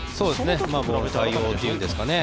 ボールへの対応というんですかね。